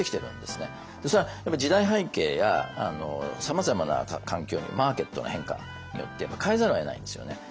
それは時代背景やさまざまな環境マーケットの変化によって変えざるをえないんですよね。